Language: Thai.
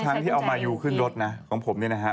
ทั้งที่เอามายูขึ้นรถนะของผมเนี่ยนะฮะ